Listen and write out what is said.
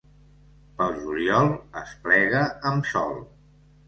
Pel juliol es plega amb sol.